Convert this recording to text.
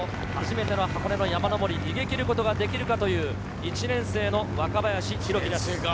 初めての箱根の山上り、逃げ切ることができるかという１年生の若林宏樹です。